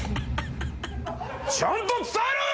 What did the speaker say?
ちゃんと伝えろよ！